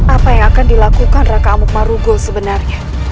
apa yang akan dilakukan raka amuk marugo sebenarnya